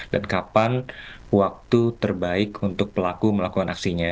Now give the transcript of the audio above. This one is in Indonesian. dan kapan waktu terbaik untuk pelaku melakukan aksinya